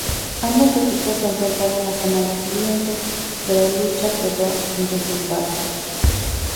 Ambos equipos se enfrentaron la semana siguiente, pero lucha que quedó sin resultado.